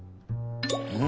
うん？